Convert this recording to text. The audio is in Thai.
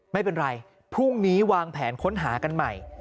ไม่เป็นไรพรุ่งนี้วางแผนค้นหากันใหม่